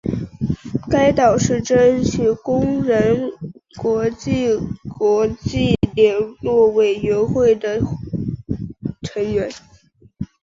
该党是争取工人国际国际联络委员会的成员。